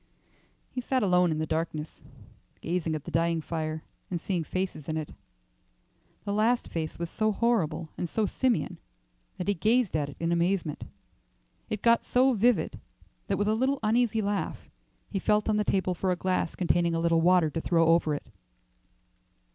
He sat alone in the darkness, gazing at the dying fire, and seeing faces in it. The last face was so horrible and so simian that he gazed at it in amazement. It got so vivid that, with a little uneasy laugh, he felt on the table for a glass containing a little water to throw over it.